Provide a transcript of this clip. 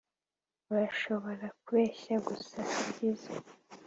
Urashobora kubeshya gusa sibyiza